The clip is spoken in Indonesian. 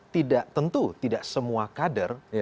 tidak tentu tidak semua kader